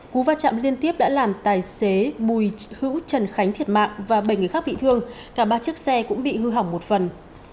cú va chạm liên tiếp đã làm tài xế bùi hữu trần khánh thiệt mạng và bảy người khác bị thương cả ba chiếc xe cũng bị hư hỏng một phần